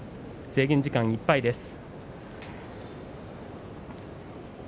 制限時間いっぱいです。